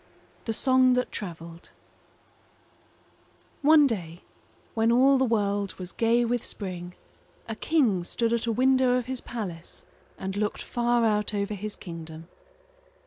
THE SONG THAT TRAVELED One day when all the world was gay with spring a king stood at a window of his palace and looked far out over his kingdom.